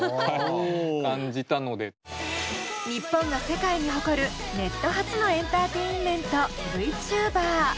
日本が世界に誇るネット発のエンターテインメントＶチューバー。